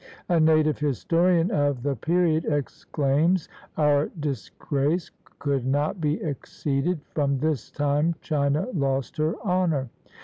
A native historian of the period exclaims: "Our disgrace could not be exceeded: from this time China lost her honor!"